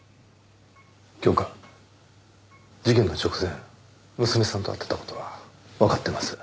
教官事件の直前娘さんと会っていた事はわかってます。